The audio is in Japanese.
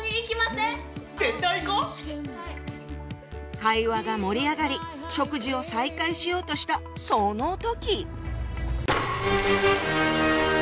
会話が盛り上がり食事を再開しようとしたその時！